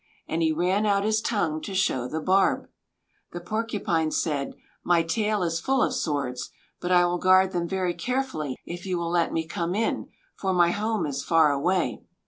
And he ran out his tongue to show the barb. The Porcupine said: "My tail is full of swords; but I will guard them very carefully if you will let me come in, for my home is far away."